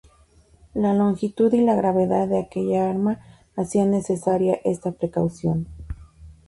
La longitud y la gravedad de aquella arma hacían necesaria esta precaución.